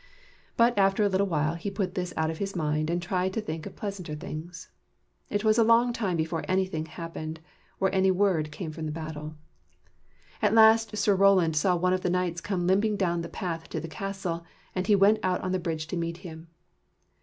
But after a little he put this out of his mind, and tried to think of pleasanter things. It was a long time before anything happened, or any word came from the battle. At last Sir Roland saw one of the knights come limping down the path to the castle, and he went out on the bridge to meet him.